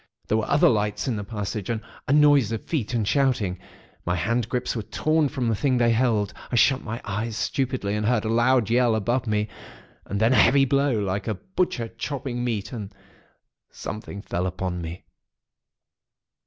There were other lights in the passage, and a noise of feet and shouting. My hand grips were torn from the thing they held; I shut my eyes stupidly, and heard a loud yell above me; and then a heavy blow, like a butcher chopping meat; and something fell upon me.